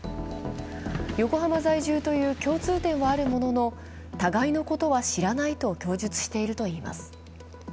横浜在住という共通点はあるものの互いのことは知らないと供述しているといいます。